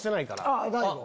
あっ大悟。